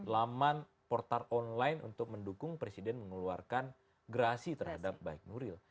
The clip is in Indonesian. laman portar online untuk mendukung presiden mengeluarkan gerasi terhadap baik nuril